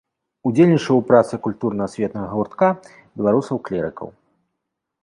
Удзельнічаў у працы культурна-асветнага гуртка беларусаў-клерыкаў.